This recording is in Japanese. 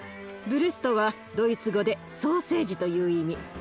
「ヴルスト」はドイツ語でソーセージという意味。